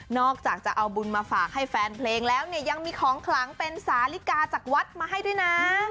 จากจะเอาบุญมาฝากให้แฟนเพลงแล้วเนี่ยยังมีของขลังเป็นสาลิกาจากวัดมาให้ด้วยนะ